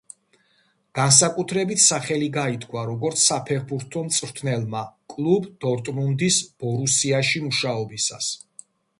განსაკუთრებით სახელი გაითქვა როგორც საფეხბურთო მწვრთნელმა კლუბ დორტმუნდის „ბორუსიაში“ მუშაობისას.